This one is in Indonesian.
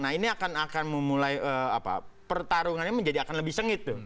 nah ini akan memulai pertarungannya menjadi akan lebih sengit tuh